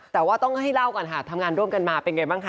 แต่ว่าต้องให้เล่าก่อนค่ะทำงานร่วมกันมาเป็นไงบ้างคะ